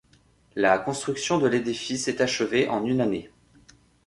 La construction de l'édifice est achevée en une année.